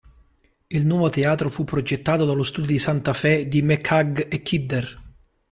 Il nuovo teatro fu progettato dallo studio di Santa Fe di McHugh e Kidder.